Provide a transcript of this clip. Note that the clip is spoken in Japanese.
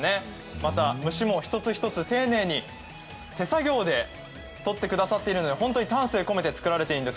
また虫も一つ一つ丁寧に手作業で取ってくださっているので本当に丹精込めて作られているんです。